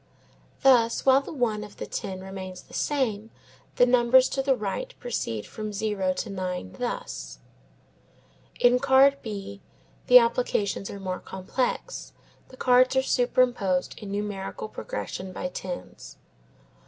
Thus while the one of the ten remains the same the numbers to the right proceed from zero to nine, thus: In card B the applications are more complex. The cards are superimposed in numerical progression by tens.